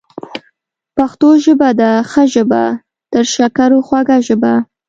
پښتو ژبه ده ښه ژبه، تر شکرو خوږه ژبه